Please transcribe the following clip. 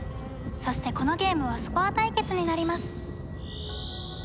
そしてこのゲームはスコア対決になります。